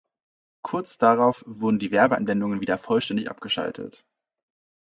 Kurz darauf wurden die Werbeeinblendungen wieder vollständig abgeschaltet.